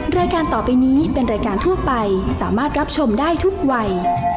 รายการต่อไปนี้เป็นรายการทั่วไปสามารถรับชมได้ทุกวัย